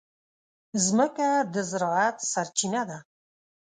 مځکه د زراعت سرچینه ده.